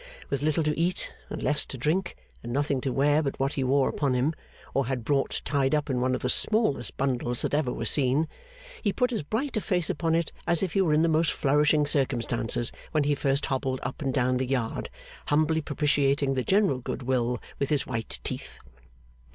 With little to eat, and less to drink, and nothing to wear but what he wore upon him, or had brought tied up in one of the smallest bundles that ever were seen, he put as bright a face upon it as if he were in the most flourishing circumstances when he first hobbled up and down the Yard, humbly propitiating the general good will with his white teeth.